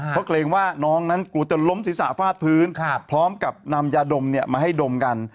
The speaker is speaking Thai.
เพราะเกรงว่าน้องนั้นกลัวจะล้มศีรษะฟาดพื้นพร้อมกับนำยาดมมาให้ดมกัน